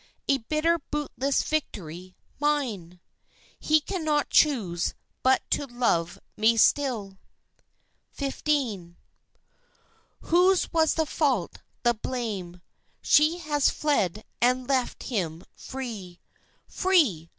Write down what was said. A bitter, bootless victory mine, He cannot choose but to love me still! XV. Whose was the fault, the blame? She has fled and left him free, Free!